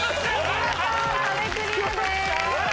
見事壁クリアです。